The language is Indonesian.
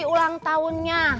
tapi ulang tahunnya